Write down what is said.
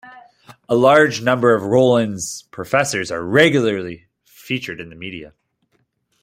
A large number of Rollins professors are regularly featured in the media.